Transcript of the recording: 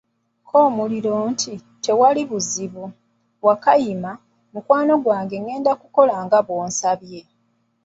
K'omuliro nti, tewali buzibu, Wakayima, mukwano gwange ngenda kukola nga bw'osabye.